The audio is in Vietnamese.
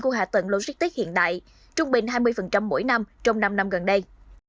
của hạ tầng logistics hiện đại trung bình hai mươi mỗi năm trong năm năm gần đây